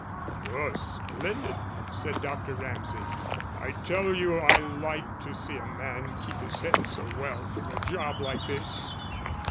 "You're splendid," said Dr. Ramsay. "I tell you I like to see a man keep his head so well through a job like this."